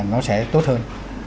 nó sẽ tốt hơn